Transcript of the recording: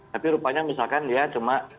tapi rupanya misalkan dia cuma